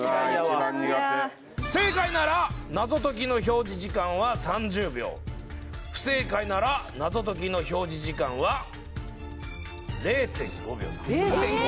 正解なら謎解きの表示時間は３０秒不正解なら謎解きの表示時間は０．５秒だ。